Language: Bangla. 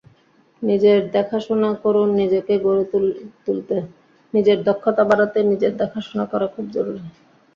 নিজের দেখাশোনা করুননিজেকে গড়ে তুলতে, নিজের দক্ষতা বাড়াতে নিজের দেখাশোনা করা খুব জরুরি।